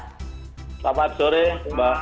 selamat sore mbak